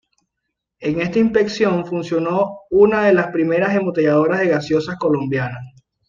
En esta Inspección funciono una de las primeras embotelladoras de gaseosas Colombiana.